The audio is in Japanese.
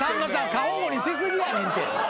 過保護にし過ぎやねんって。